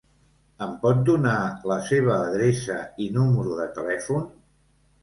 Em pot donar la seva adreça i número de telèfon?